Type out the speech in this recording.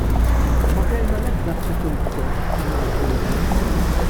Ma kellna l-ebda second thoughts li nagħżlu lilha.